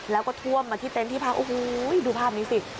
แล้วก็ท่วมมาที่เต็นต์ที่พักโอ้โหดูภาพนี้สิ